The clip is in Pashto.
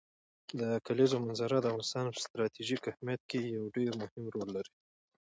د کلیزو منظره د افغانستان په ستراتیژیک اهمیت کې یو ډېر مهم رول لري.